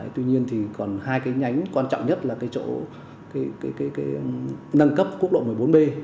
tuy nhiên thì còn hai cái nhánh quan trọng nhất là cái chỗ nâng cấp quốc lộ một mươi bốn b